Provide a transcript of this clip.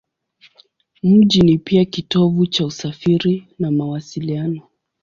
Mji ni pia kitovu cha usafiri na mawasiliano.